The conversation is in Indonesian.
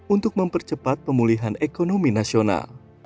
untuk mempercepat pemulihan ekonomi nasional